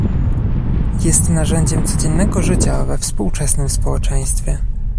Jest narzędziem codziennego życia we współczesnym społeczeństwie